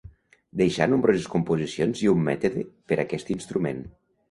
Deixà nombroses composicions i un mètode per aquest instrument.